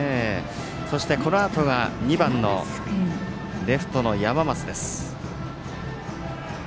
そして、このあとが２番のレフトの山増です。